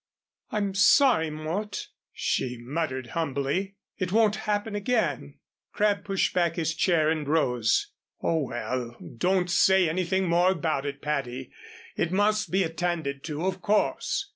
"I'm sorry, Mort," she muttered, humbly. "It won't happen again." Crabb pushed back his chair and rose. "Oh, well, don't say anything more about it, Patty. It must be attended to, of course.